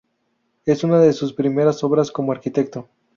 Es una de sus primeras obras como arquitecto.